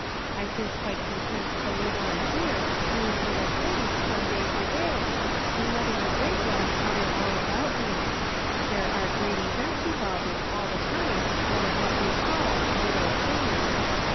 I feel quite content to live on here, doing little things, from day to day, and letting the great ones hover all about me ; there are great events evolving all the time out of what we call 'little things.'